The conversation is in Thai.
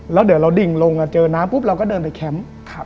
แล้วเดี๋ยวเราดิ่งลงเจอน้ำปุ๊บเราก็เดินไปแคมป์